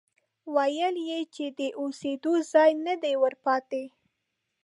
ويل يې چې د اوسېدو ځای نه دی ورپاتې،